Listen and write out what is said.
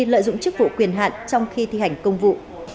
lợi dụng chức vụ quyền hạn trong khi thi hành công vụ